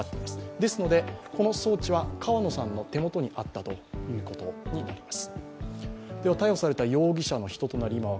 ですので、この装置は川野さんの手元にあったことになります。